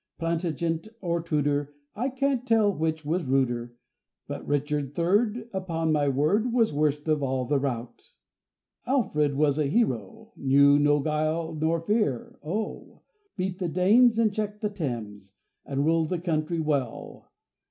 Plantagenet or Tudor, I can't tell which was ruder; But Richard Third, Upon my word, Was worst of all the rout. Alfred was a hero, Knew no guile nor fear, oh! Beat the Danes and checked the Thanes, And ruled the country well.